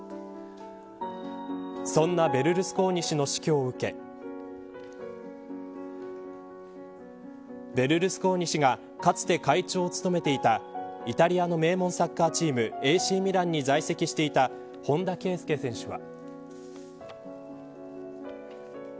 そんなベルルスコーニ氏の死去を受けベルルスコーニ氏がかつて会長を務めていたイタリアの名門サッカーチームＡＣミランに在籍していた本田圭佑選手は。